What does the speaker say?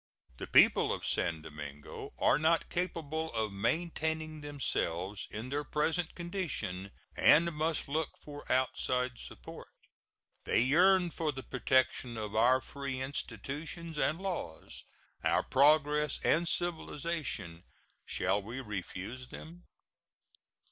The people of San Domingo are not capable of maintaining themselves in their present condition, and must look for outside support. They yearn for the protection of our free institutions and laws, our progress and civilization. Shall we refuse them?